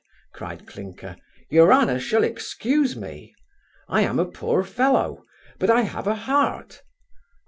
(cried Clinker), your honour shall excuse me I am a poor fellow, but I have a heart O!